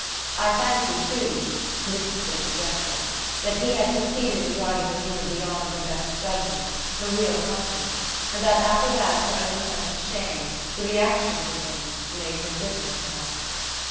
I fancy too this is pure conjecture that he had succeeded in driving Alima beyond her best judgment, her real conscience, and that after that her own sense of shame, the reaction of the thing, made her bitter perhaps.